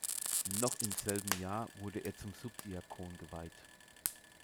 Noch im selben Jahr wurde er zum Subdiakon geweiht.